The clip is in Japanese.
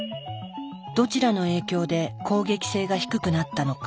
どちらの影響で攻撃性が低くなったのか？